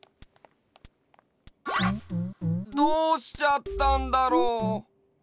どうしちゃったんだろう？